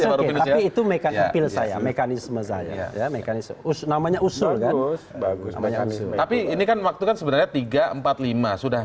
sama saya ya mekanisme us namanya usul bagus bagus tapi ini kan waktu kan sebenarnya tiga ratus empat puluh lima sudah